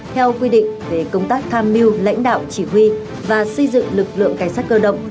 theo quy định về công tác tham mưu lãnh đạo chỉ huy và xây dựng lực lượng cảnh sát cơ động